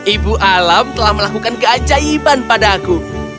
ibu alam telah melakukan keajaiban padaku